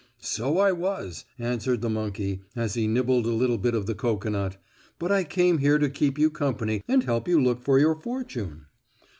"So I was," answered the monkey, as he nibbled a little bit of the cocoanut. "But I came here to keep you company and help you look for your fortune."